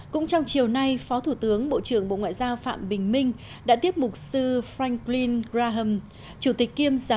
cũng trong chiều nay phó thủ tướng bộ trưởng bộ ngoại giao phạm bình minh đã tiếp mục sư franklin graham